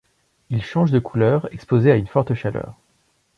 Il change de couleur exposé à une forte chaleur.